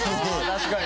確かに。